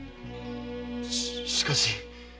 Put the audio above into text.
しかし。